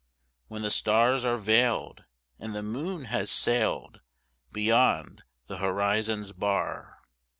When the stars are veiled and the moon has sailed Beyond the horizon's bar.